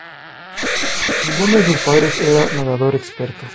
Ninguno de sus padres era nadador experto.